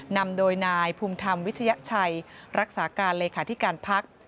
นำโดยนายภูมิธรรมวิทยาชัยรักษาการเลขาธิการพัก